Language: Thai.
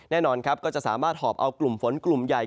แน่นอนครับก็จะสามารถหอบเอากลุ่มฝนกลุ่มใหญ่